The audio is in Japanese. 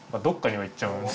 どっかには行っちゃう。